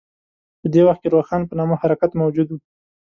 په دې وخت کې روښان په نامه حرکت موجود و.